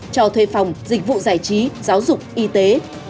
cho thuê phòng dịch vụ giải trí giáo dục y tế